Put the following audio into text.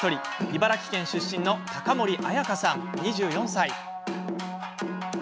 茨城県出身の高森彩花さん２４歳。